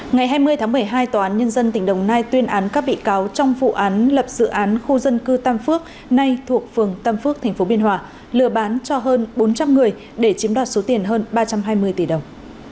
ngày hai mươi tháng một mươi hai tòa án nhân dân tỉnh đồng nai tuyên án các bị cáo trong vụ án lập dự án khu dân cư tam phước nay thuộc phường tam phước tp biên hòa lừa bán cho hơn bốn trăm linh người để chiếm đoạt số tiền hơn ba trăm hai mươi tỷ đồng